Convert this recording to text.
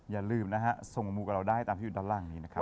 อย่าลืมนะฮะส่งมูกับเราได้ตามที่อยู่ด้านล่างนี้นะครับ